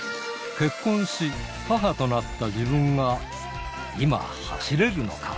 結婚し、母となった自分が今は走れるのか。